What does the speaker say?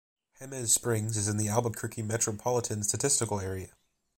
Jemez Springs is in the Albuquerque Metropolitan Statistical Area.